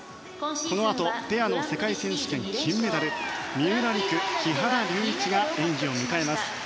このあとペアの世界選手権金メダル三浦璃来、木原龍一が演技を迎えます。